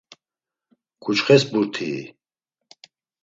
Ǩuçxeş burtii?